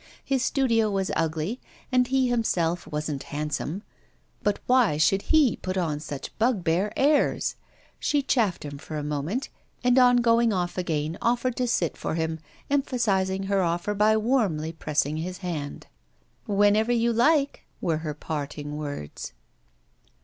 His studio was ugly, and he himself wasn't handsome; but why should he put on such bugbear airs? She chaffed him for a moment, and on going off again offered to sit for him, emphasising her offer by warmly pressing his hand. 'Whenever you like,' were her parting words.